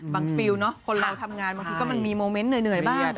ฟิลเนอะคนเราทำงานบางทีก็มันมีโมเมนต์เหนื่อยบ้าง